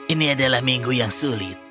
ini adalah minggu yang sulit